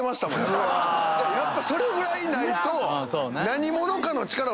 やっぱそれぐらいないと。